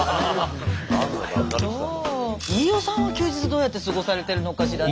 飯尾さんは休日どうやって過ごされてるのかしらね。